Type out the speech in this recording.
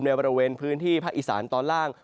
บริเวณพื้นที่ภาคอีสานตอนล่าง